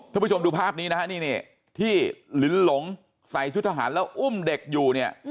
ถ้าผู้ชมดูภาพนี้นะที่ลิ้นหลงใส่ชุดทหารแล้วอุ้มเด็กอยู่